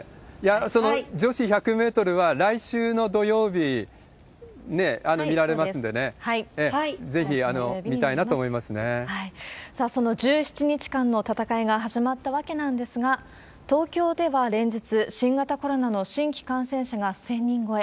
その女子１００メートルは、来週の土曜日ね、見られますんでね、さあ、その１７日間の戦いが始まったわけなんですが、東京では連日、新型コロナの新規感染者が１０００人超え。